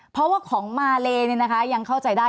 เพราะว่าของมาเลเนี่ยนะคะยังเข้าใจได้